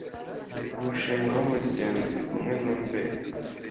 umushinga w’umugenzi umwe numberi